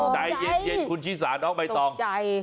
ใจเย็ดครับคุณขี้สารน้องแบบวัตต์